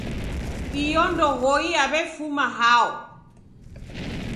Iyo ndoghoi yaw'ifuma hao?